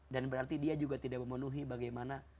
dan berarti dia juga tidak memenuhi bagaimana